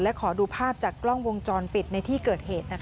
และขอดูภาพจากกล้องวงจรปิดในที่เกิดเหตุ